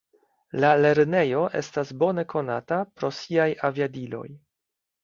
La lernejo estas bone konata pro siaj aviadiloj.